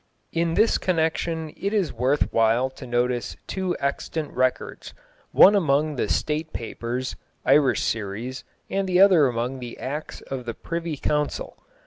In this connection it is worth while to notice two extant records, one among the State Papers (Irish Series) and the other among the Acts of the Privy Council.